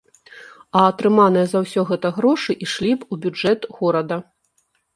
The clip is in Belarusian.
А атрыманыя за ўсё гэта грошы ішлі б у бюджэт горада.